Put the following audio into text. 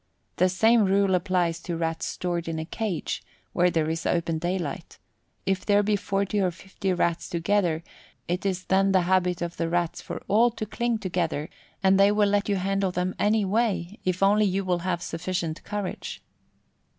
The same rule applies to Rats stored in a cage, where there is open daylight if there be 40 or 50 Rats together, it is then the habit of the Rats for all to cling together, and they will let you handle them anyway if only you will have sufficient courage.